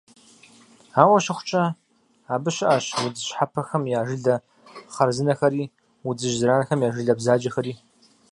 Ауэ щыхъукӀэ, абы щыӀэщ удз щхьэпэхэм я жылэ хъарзынэхэри удзыжь зэранхэм я жылэ бзаджэхэри.